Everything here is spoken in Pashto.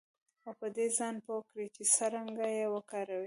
او په دې ځان پوه کړئ چې څرنګه یې وکاروئ